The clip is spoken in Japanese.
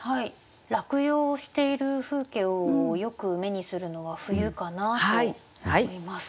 落葉をしている風景をよく目にするのは冬かなと思います。